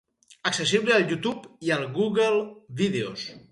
Accessible al YouTube i al Google Vídeos.